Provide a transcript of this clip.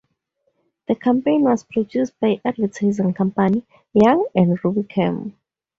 The campaign was produced by advertising company Young and Rubicam.